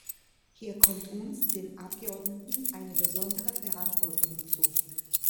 Hier kommt uns, den Abgeordneten, eine besondere Verantwortung zu.